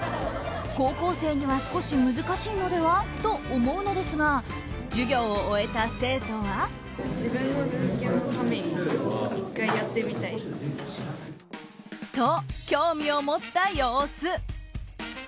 高校生には少し難しいのでは？と思うのですが授業を終えた生徒は。と、興味を持った様子。